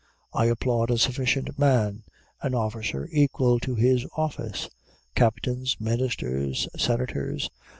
I applaud a sufficient man, an officer equal to his office; captains, ministers, senators.